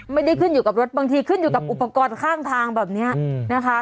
ไม่ได้ขึ้นอยู่กับรถบางทีขึ้นอยู่กับอุปกรณ์ข้างทางแบบนี้นะคะ